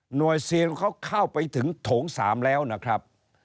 ซีนเขาเข้าไปถึงโถง๓แล้วนะครับ